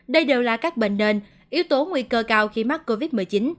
đây đều là các bệnh nền yếu tố nguy cơ cao khi mắc covid một mươi chín